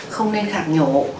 không nên khạc nhổ